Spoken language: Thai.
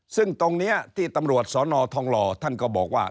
ซึ่งตรงนี้ที่ตำรวจสนทองหล่อท่านก็บอกว่า